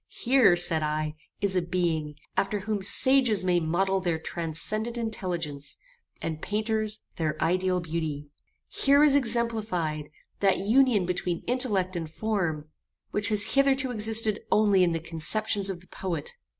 "Here, said I, is a being, after whom sages may model their transcendent intelligence, and painters, their ideal beauty. Here is exemplified, that union between intellect and form, which has hitherto existed only in the conceptions of the poet.